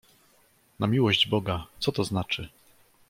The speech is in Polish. "„Na miłość Boga, co to znaczy?"